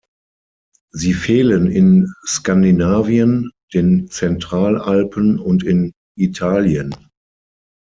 Sie fehlen in Skandinavien, den Zentralalpen und in Italien.